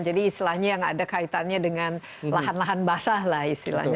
jadi istilahnya yang ada kaitannya dengan lahan lahan basah lah istilahnya